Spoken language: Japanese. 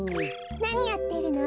なにやってるの？